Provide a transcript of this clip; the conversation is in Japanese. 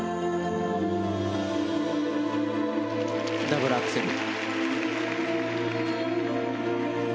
ダブルアクセル。